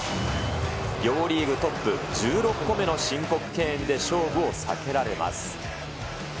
両リーグトップ、１６個目の申告敬遠で勝負を避けられます。